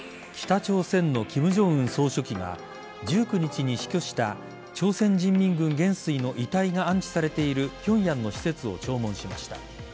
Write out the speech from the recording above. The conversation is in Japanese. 北朝鮮の金正恩総書記が１９日に死去した朝鮮人民軍元帥の遺体が安置されている平壌の施設を弔問しました。